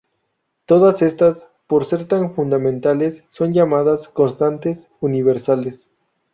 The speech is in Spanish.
Todas estas, por ser tan fundamentales, son llamadas "constantes universales".